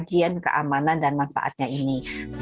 kajian keamanan dan manfaatnya ini